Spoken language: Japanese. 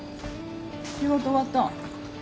仕事終わったん？